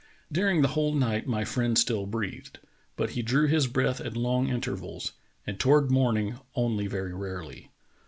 During the whole night my friend still breathed, but he drew his breath at long intervals and toward morning only very rarely.